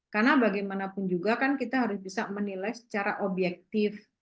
karena bagaimanapun juga kan kita harus bisa menilai secara objektif